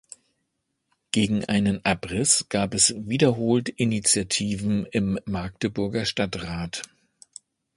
Gegen einen Abriss gab es wiederholt Initiativen im Magdeburger Stadtrat.